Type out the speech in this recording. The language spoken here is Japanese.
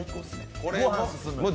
これは進む。